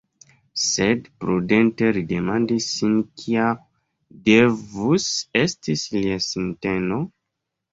Sed prudente li demandis sin kia devus esti lia sinteno?